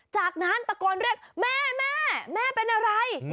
จากนั้นตะโกนเรียกแม่แม่แม่เป็นอะไร